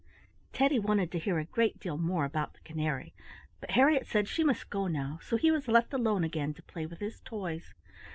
Teddy wanted to hear a great deal more about the canary, but Harriett said she must go now, so he was left alone again to play with his toys.